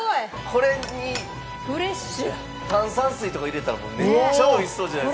これに炭酸水とか入れたらめっちゃおいしそうじゃないですか。